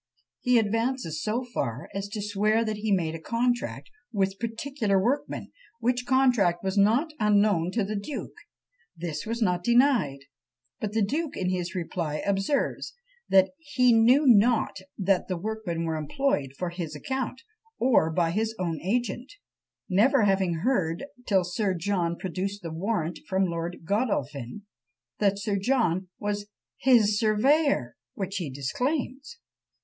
He advances so far, as to swear that he made a contract with particular workmen, which contract was not unknown to the duke. This was not denied; but the duke in his reply observes, that "he knew not that the workmen were employed for his account, or by his own agent:" never having heard till Sir John produced the warrant from Lord Godolphin, that Sir John was "his surveyor!" which he disclaims.